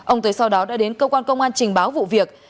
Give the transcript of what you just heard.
ông tới sau đó đã đến cơ quan công an trình báo vụ việc